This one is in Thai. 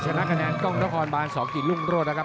ชนะคะแนนกล้องทะคอนบานสองกินรุ่งรวดนะครับ